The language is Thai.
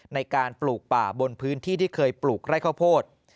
ในการปลูกป่าบนพื้นที่ที่เคยปลูกไร่ข้าวโพด